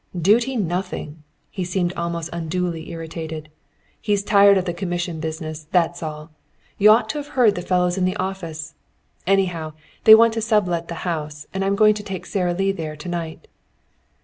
"Duty nothing!" He seemed almost unduly irritated. "He's tired of the commission business, that's all. Y'ought to have heard the fellows in the office. Anyhow, they want to sub let the house, and I'm going to take Sara Lee there to night."